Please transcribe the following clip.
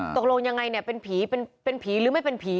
ตกลงยังไงเนี่ยเป็นผีเป็นผีหรือไม่เป็นผี